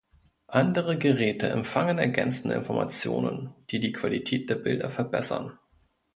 Andere Geräte empfangen ergänzende Informationen, die die Qualität der Bilder verbessern.